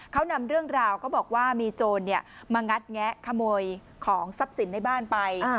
เขานำเรื่องราวก็บอกว่ามีโจรมางัดแงะขโมยของทรัพย์สินในบ้านไป